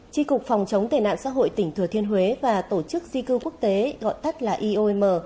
tri cục phòng chống tệ nạn xã hội tỉnh thừa thiên huế và tổ chức di cư quốc tế gọi tắt là iom